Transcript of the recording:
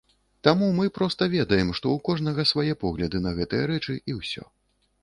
Таму мы проста ведаем, што ў кожнага свае погляды на гэтыя рэчы, і ўсё.